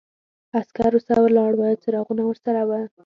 عسکرو سره ولاړ و، څراغونه ورسره و.